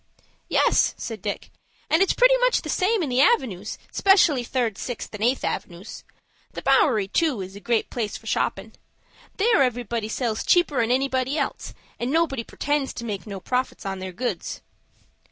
"Yes," said Dick; "and its pretty much the same in the avenoos, 'specially the Third, Sixth, and Eighth avenoos. The Bowery, too, is a great place for shoppin'. There everybody sells cheaper'n anybody else, and nobody pretends to make no profit on their goods."